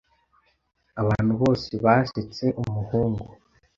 Abantu bose basetse umuhungu.